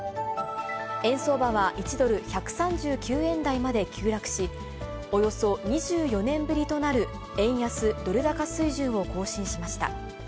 円相場は１ドル１３９円台まで急落し、およそ２４年ぶりとなる円安ドル高水準を更新しました。